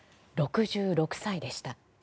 ６６歳でした。